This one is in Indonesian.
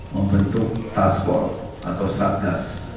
membentuk task force atau sarkas